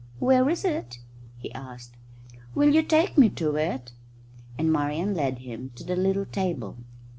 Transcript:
"Where is it?" he asked. "Will you take me to it?" And Marian led him to the little table.